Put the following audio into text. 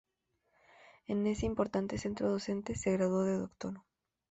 En ese importante centro docente se graduó de Doctor.